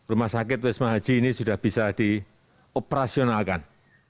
rumah sakit wisma haji ini sudah bisa dioperasionalkan